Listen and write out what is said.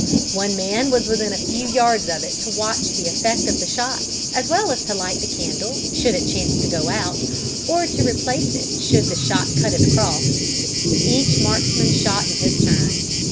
One man was within a few yards of it to watch the effect of the shots, as well as to light the candle, should it chance to go out, or to replace it should the shot cut it across. Each marksman shot in his turn.